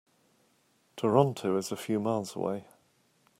Toronto is a few miles away.